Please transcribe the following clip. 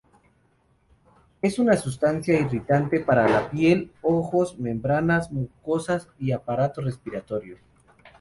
Es una sustancia irritante para la piel, ojos, membranas mucosas y aparato respiratorio.